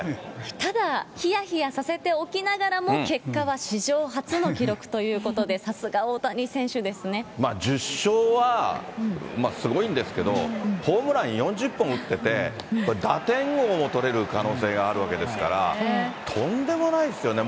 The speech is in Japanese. ただ、ひやひやさせておきながらも、結果は史上初の記録ということで、まあ１０勝はすごいんですけど、ホームラン４０本打ってて、打点王も取れる可能性があるわけですから、とんでもないですよね。